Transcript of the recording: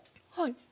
はい。